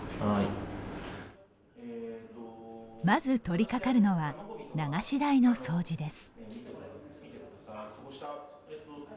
まず取りかかるのは流し台の掃除です。